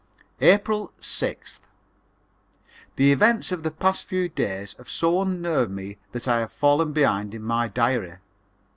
April 6th. The events of the past few days have so unnerved me that I have fallen behind in my diary.